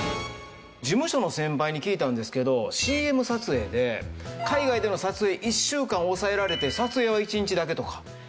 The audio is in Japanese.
事務所の先輩に聞いたんですけどＣＭ撮影で海外での撮影１週間押さえられて撮影は１日だけとか。